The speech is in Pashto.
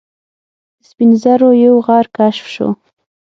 د سپین زرو یو غر کشف شو.